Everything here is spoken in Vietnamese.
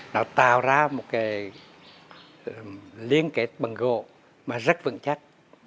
nó tạo ra một cái liên kết bằng gỗ mà rất vững chắc